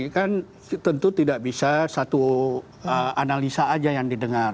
kan tentu tidak bisa satu analisa aja yang didengar